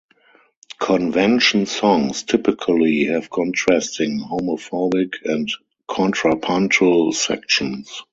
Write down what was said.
Convention songs typically have contrasting homophonic and contrapuntal sections.